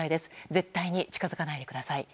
絶対に近づかないでください。